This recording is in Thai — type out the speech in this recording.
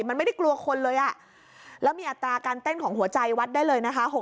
มันไม่ได้กลัวคนเลยอ่ะแล้วมีอัตราการเต้นของหัวใจวัดได้เลยนะคะ